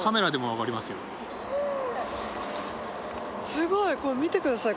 すごいこれ見てください